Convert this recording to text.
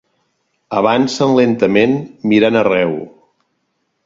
Avancen lentament, mirant arreu.